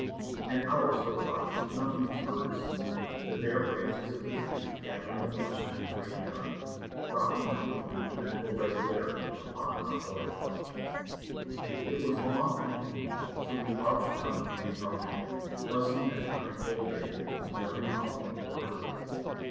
An hour slipped by, nothing was heard or seen. The bare branches of the trees gathering the moisture in great globules, dropped them with mathematical regularity upon our oilcloths. It was long after noon, so we crouched down and ate our dinner, blessing that kind old lady between every mouthful for her good ness.